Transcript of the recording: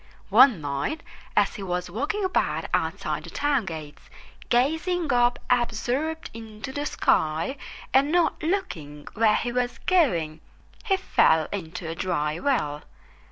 One night, as he was walking about outside the town gates, gazing up absorbed into the sky and not looking where he was going, he fell into a dry well.